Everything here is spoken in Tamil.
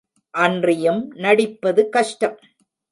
அன்றியும் நடிப்பதும் கஷ்டம்.